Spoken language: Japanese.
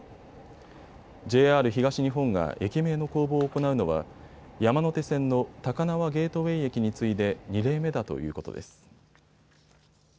ＪＲ東日本が駅名の公募を行うのは山手線の高輪ゲートウェイ駅に次いで２例目だということです。